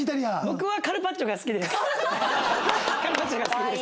カルパッチョが好きです。